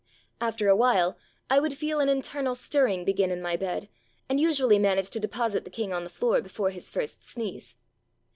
After a while I would feel an internal stirring begin in my bed, and usually managed to deposit the king on the floor before his first sneeze.